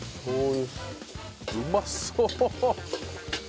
うまそう！